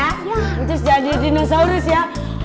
terus jadi dinosaurus ya